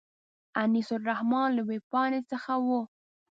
انیس الرحمن له وېبپاڼې څخه و.